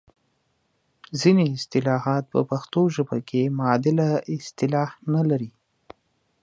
ځینې اصطلاحات په پښتو ژبه کې معادله اصطلاح نه لري.